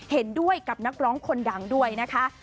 เห็นด้วยกับนักร้องคนดังด้วยนะคะ